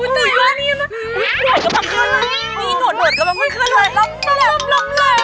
ถูยว่างงี้นะ